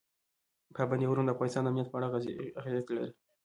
پابندي غرونه د افغانستان د امنیت په اړه اغېز لري.